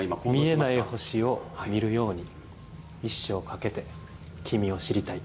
見えない星を見るように一生かけて君を知りたい。